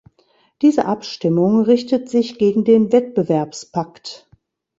Diese Abstimmung richtet sich gegen den Wettbewerbspakt.